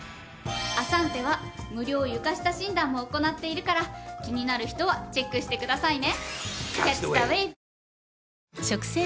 アサンテは無料床下診断も行っているから気になる人はチェックしてくださいね。